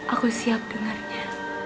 aku siap dengarnya